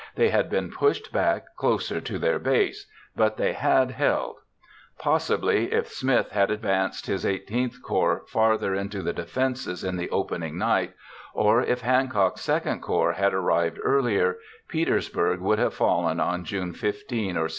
They had been pushed back closer to their base—but they had held. Possibly if Smith had advanced his XVIII Corps farther into the defenses on the opening night, or if Hancock's II Corps had arrived earlier, Petersburg would have fallen on June 15 or 16.